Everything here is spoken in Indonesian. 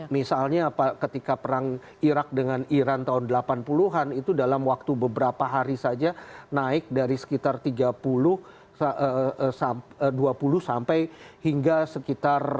misalnya ketika perang irak dengan iran tahun delapan puluh an itu dalam waktu beberapa hari saja naik dari sekitar dua puluh sampai hingga sekitar